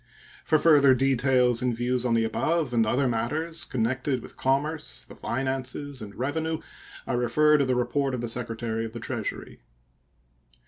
For further details and views on the above and other matters connected with commerce, the finances, and revenue I refer to the report of the Secretary of the Treasury.